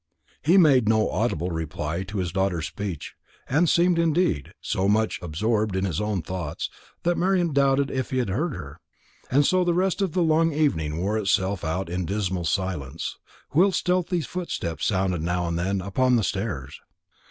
He made no audible reply to his daughter's speech, and seemed, indeed, so much absorbed in his own thoughts, that Marian doubted if he had heard her; and so the rest of the long evening wore itself out in dismal silence, whilst stealthy footsteps sounded now and then upon the stairs.